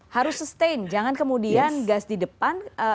harus sustain jangan kemudian gas di depan